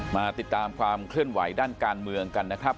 มาติดตามความเคลื่อนไหวด้านการเมืองกันนะครับ